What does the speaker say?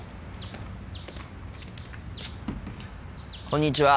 こんにちは。